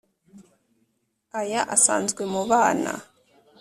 aya asanzwe mu bana